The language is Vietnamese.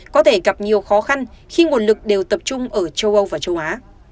có thể gặp nhiều khó khăn khi nguồn lực đều tập trung ở châu âu và châu á